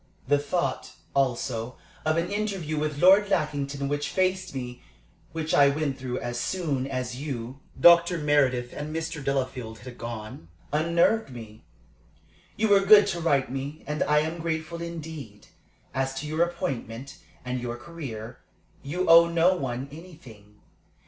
The thought, also, of an interview with Lord Lackington which faced me, which I went through as soon as you, Dr. Meredith, and Mr. Delafield had gone, unnerved me. You were good to write to me, and I am grateful indeed. As to your appointment, and your career, you owe no one anything.